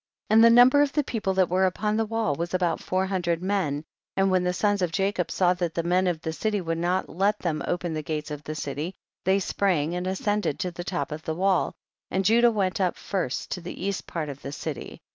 30. And the number of the people that were upon the wall was about four hundred men, and when the sons of Jacob saw that the men of the city would not let them open the gates of the city, they sprang and ascended the top of the wall, and Judah went up first to the east part of the city.